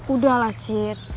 udah lah cit